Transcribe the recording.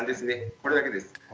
これだけです。